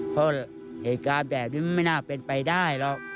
เพราะเหตุการณ์แบบนี้มันไม่น่าเป็นไปได้หรอก